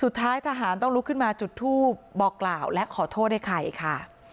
สุดท้ายทหารต้องลุกขึ้นมาจุดทูปบอกกล่าวและขอโทษไอ้ไข่ค่ะ